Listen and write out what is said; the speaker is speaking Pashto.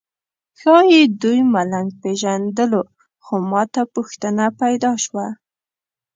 ښایي دوی ملنګ پېژندلو خو ماته پوښتنه پیدا شوه.